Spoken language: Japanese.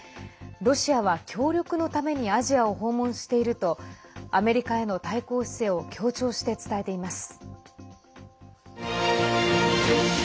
ロシアは協力のためにアジアを訪問しているとアメリカへの対抗姿勢を強調して伝えています。